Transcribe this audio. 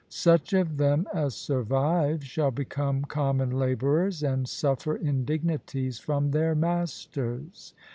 Such of them as survive shall become common labourers and suffer indignities from their masters.